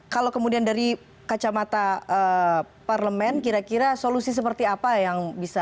kalau kemudian dari kacamata parlemen kira kira solusi seperti apa yang bisa